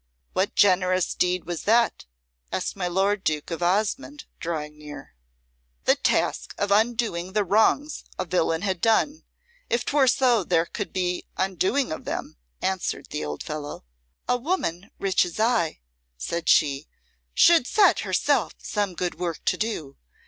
"What generous deed was that?" asked my lord Duke of Osmonde, drawing near. "The task of undoing the wrongs a villain had done, if 'twere so there could be undoing of them," answered the old fellow. "A woman rich as I," said she, "should set herself some good work to do.